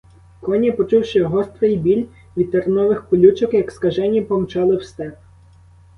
Коні, почувши гострий біль від тернових колючок, як скажені, помчали в степ.